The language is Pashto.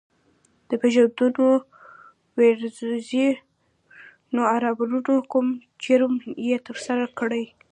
د پېژندلو وېرېږي نو ارومرو کوم جرم یې ترسره کړی.